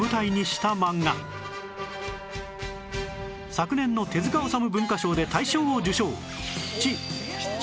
昨年の手治虫文化賞で大賞を受賞